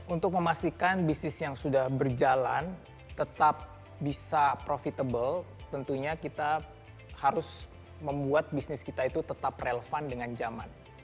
untuk memastikan bisnis yang sudah berjalan tetap bisa profitable tentunya kita harus membuat bisnis kita itu tetap relevan dengan zaman